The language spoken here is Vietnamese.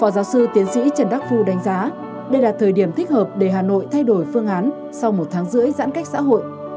phó giáo sư tiến sĩ trần đắc phu đánh giá đây là thời điểm thích hợp để hà nội thay đổi phương án sau một tháng rưỡi giãn cách xã hội